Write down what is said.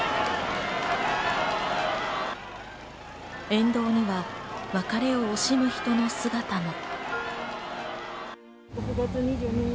沿道には別れを惜しむ人の姿が。